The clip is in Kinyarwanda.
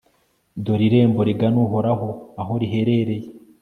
dore irembo rigana uhoraho aho riherereye